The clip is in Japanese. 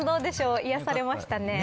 癒やされましたね。